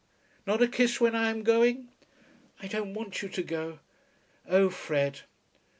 "Not a kiss when I am going?" "I don't want you to go. Oh, Fred!